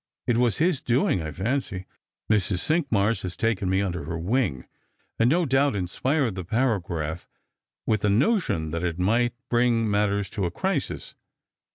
It was his doing, I fancy. Mrs. Cinqmars has taken me under her wing, and no doubt inspired the paragraph, with the notion that it might bring matters to a crisis."